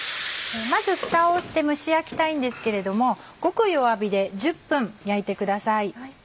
まずフタをして蒸し焼きたいんですけれどもごく弱火で１０分焼いてください。